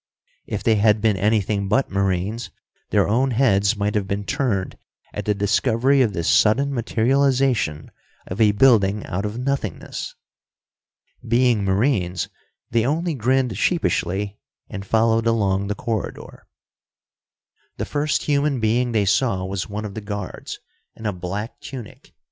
If they had been anything but Marines, their own heads might have been turned at the discovery of this sudden materialization of a building out of nothingness. Being Marines, they only grinned sheepishly, and followed along the corridor. The first human being they saw was one of the guards, in a black tunic.